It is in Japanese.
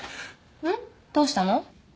どうしたの？